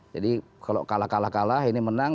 jadi kalau kalah kalah kalah ini menang